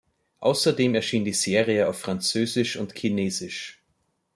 Außerdem erschien die Serie auf Französisch und Chinesisch.